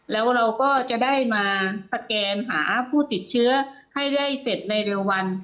แล้วเราก็จะได้มาสแกนหาผู้ติดเชื้อให้ได้เสร็จในเร็ววัน